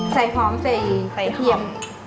ใส่หอมใส่กระเทียม